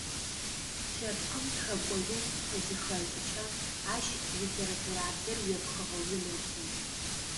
Лъэпкъым тхэкӏо ин къызыхэкӏыкӏэ ащ литературабзэр епхыгъэуи мэхъу.